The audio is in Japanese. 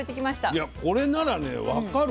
いやこれならね分かる。